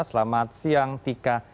selamat siang tika